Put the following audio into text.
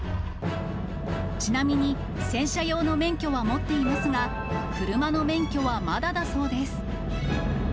ちなみに、戦車用の免許は持っていますが、車の免許はまだだそうです。